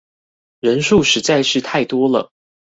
人數實在是太多了